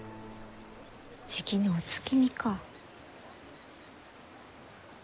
じきにお月見か。